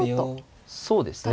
そうですね。